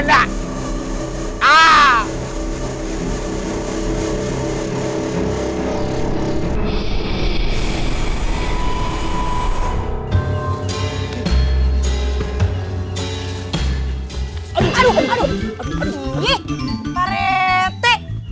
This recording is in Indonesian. aduh aduh aduh aduh